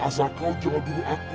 masa kau jauh bunuh aku